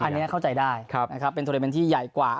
อันนี้เข้าใจได้เป็นทุนเทอร์เมนต์ที่ใหญ่กว่า